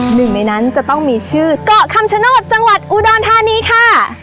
หนึ่งในนั้นจะต้องมีชื่อเกาะคำชโนธจังหวัดอุดรธานีค่ะ